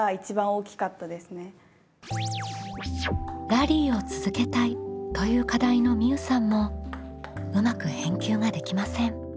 私「ラリーを続けたい」という課題のみうさんもうまく返球ができません。